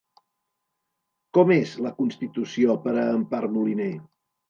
Com és la constitució per a Empar Moliner?